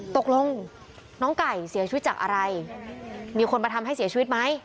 ตกลงน้องไก่เสียชีวิตจากอะไรมีคนมาทำให้เสียชีวิตไหม